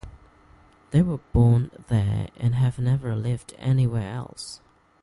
They were born there and have never lived anywhere else.